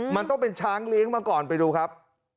มันต้องเป็นช้างเลี้ยงมาก่อนไปดูครับ